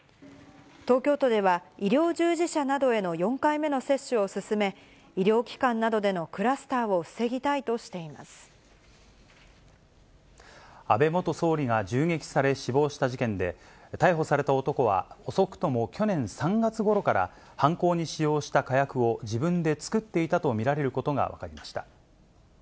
東京都では、医療従事者などへの４回目の接種を進め、医療機関などでのクラス安倍元総理が銃撃され、死亡した事件で、逮捕された男は、遅くとも去年３月ごろから、犯行に使用した火薬を自分で作っていたと見られることが分かりま